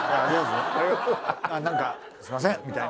なんかすみませんみたいな。